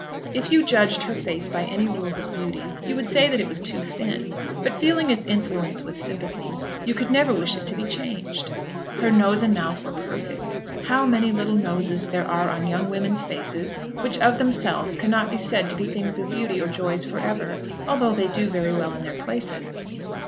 If you judged her face by any rules of beauty, you would say that it was too thin; but feeling its influence with sympathy, you could never wish it to be changed. Her nose and mouth were perfect. How many little noses there are on young women's faces which of themselves cannot be said to be things of beauty, or joys for ever, although they do very well in their places!